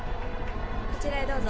こちらへどうぞ。